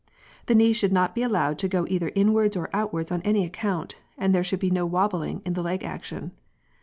The knees should not be allowed to go either inwards or outwards on any account, and there should be no "wobbling" in the leg action.